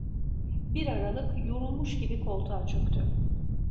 Bir aralık yorulmuş gibi koltuğa çöktü.